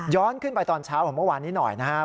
ขึ้นไปตอนเช้าของเมื่อวานนี้หน่อยนะครับ